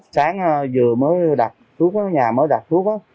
sáng vừa mới đặt thuốc nhà mới đặt thuốc